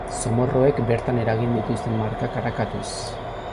Zomorroek bertan eragin dituzten markak arakatuz.